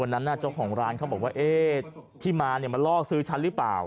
วันนั้นน่ะเจ้าของร้านเขาบอกว่าที่มาเนี่ยมันลอกซื้อฉันรึเปล่า